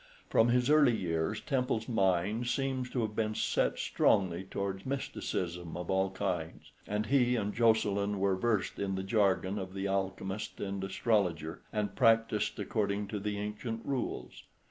From his early years Temple's mind seems to have been set strongly towards mysticism of all kinds, and he and Jocelyn were versed in the jargon of the alchemist and astrologer, and practised according to the ancient rules.